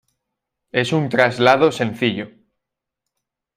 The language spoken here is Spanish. Es un traslado sencillo.